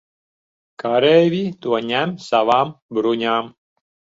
Kareivji to ņem savām bruņām.